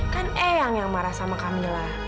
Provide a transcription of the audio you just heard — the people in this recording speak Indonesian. kan eyang yang marah sama camilla